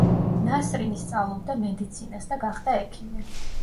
ნასრინი სწავლობდა მედიცინას და გახდა ექიმი.